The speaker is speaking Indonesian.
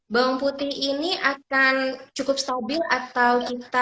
bawang putih ini akan cukup stabil atau kita